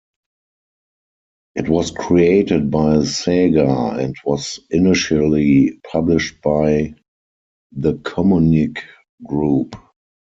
It was created by Sega and was initially published by The Communique Group.